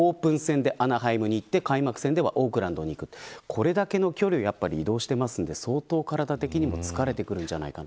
これだけの距離を移動しているので相当、体的にも疲れてくるんじゃないか。